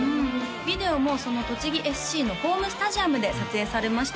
ビデオもその栃木ＳＣのホームスタジアムで撮影されました